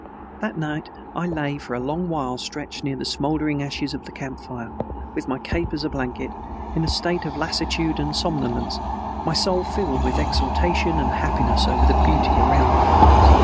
That night I lay for a long while stretched near the smoldering ashes of the camp fire, with my cape as a blanket, in a state of lassitude and somnolence, my soul filled with exaltation and happiness over the beauty around me.